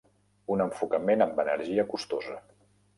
Un enfocament amb energia costosa.